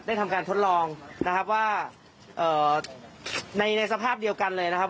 ทำการทดลองนะครับว่าในในสภาพเดียวกันเลยนะครับ